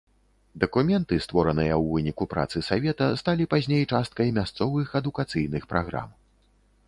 Дакументы, створаныя ў выніку працы савета, сталі пазней часткай мясцовых адукацыйных праграм.